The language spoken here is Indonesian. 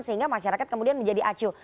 jadi kita masih ada masyarakat yang menjadi acu